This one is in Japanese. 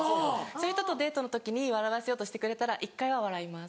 そういう人とデートの時に笑わせようとしてくれたら一回は笑います。